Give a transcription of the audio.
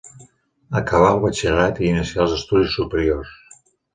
Acabà el batxillerat i inicià els estudis superiors.